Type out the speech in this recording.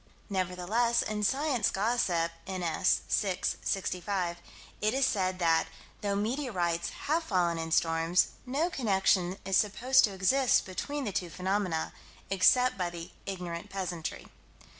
Nevertheless, in Science Gossip, n.s., 6 65, it is said that, though meteorites have fallen in storms, no connection is supposed to exist between the two phenomena, except by the ignorant peasantry.